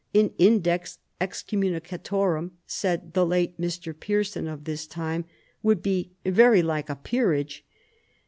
" An index excom municatorum," said the late Mr. Pearson of this time, "would be very like a peerage."